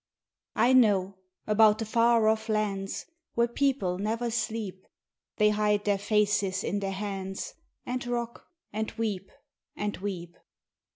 I know; about the far off lands, Where people never sleep; They hide their faces in their hands, And rock, and weep, and weep.